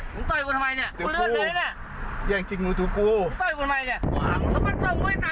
มึงต้อยกูทำไมเนี่ยมึงเลือดเลยเนี่ยย่างชิงมือถือกูมึงต้อยกูทำไมเนี่ย